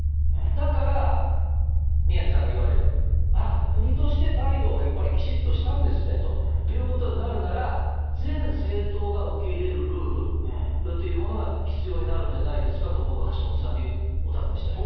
だから、宮根さんが言われる、ああ、国として態度をきちっとしたんですねということになるならば、全政党が受け入れるルールというものが必要になるんじゃないんですかと、僕は橋下さんにお尋ねしたい。